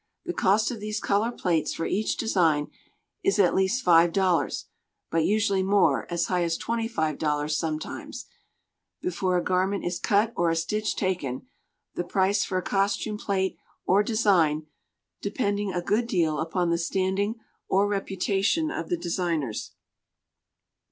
The cost of these color plates for each design is at least five dollars, but usually more, as high as $25.00 sometimes, before a garment is cut or a stitch taken, the price for a costume plate or design depending a good deal upon the standing or reputation of the designers.